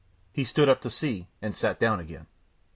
He stood up to see and sat down again.